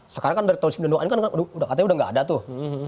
sekarang kan dari tahun sembilan puluh dua an kan katanya udah gak ada tuh